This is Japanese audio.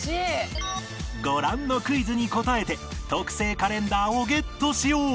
ご覧のクイズに答えて特製カレンダーをゲットしよう